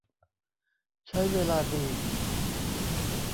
ใช้เวลาดี